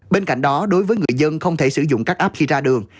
bên cạnh đó đối với người dân không thể sử dụng các app khi ra đường